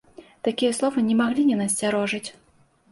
Такія словы не маглі не насцярожыць.